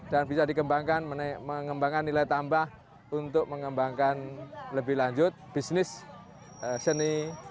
dan bisa dikembangkan mengembangkan nilai tambah untuk mengembangkan lebih lanjut bisnis seni